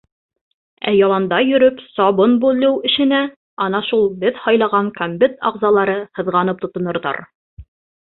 Ә яланда йөрөп сабын бүлеү эшенә ана шул беҙ һайлаған комбед ағзалары һыҙғанып тотонорҙар.